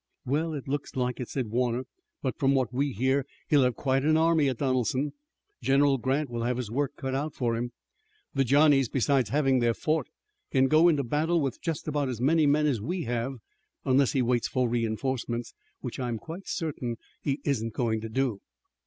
"Well, it looks like it," said Warner, "but from what we hear he'll have quite an army at Donelson. General Grant will have his work cut out for him. The Johnnies, besides having their fort, can go into battle with just about as many men as we have, unless he waits for reinforcements, which I am quite certain he isn't going to do."